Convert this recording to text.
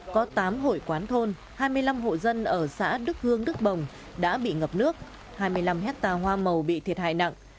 có tám hội quán thôn hai mươi năm hộ dân ở xã đức hương đức bồng đã bị ngập nước hai mươi năm hectare hoa màu bị thiệt hại nặng